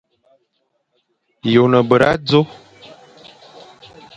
Ye one bera dzo?